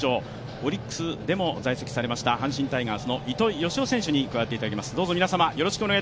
オリックスでも在籍されました阪神タイガースの糸井嘉男選手に加わっていただきます。